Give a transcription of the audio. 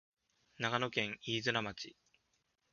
長野県飯綱町